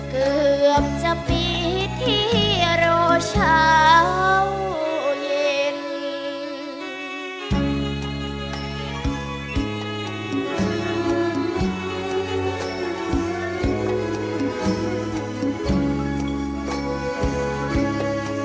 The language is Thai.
เกือบจะปีที่รอเช้าเย็น